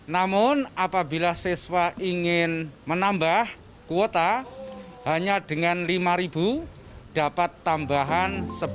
namun apabila siswa ingin menambah kuota hanya dengan lima dapat tambahan sebelas gb